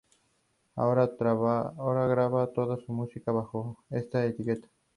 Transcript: Ahora graba toda su música bajo esta etiqueta.